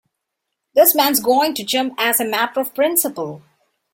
This man's going to jump as a matter of principle.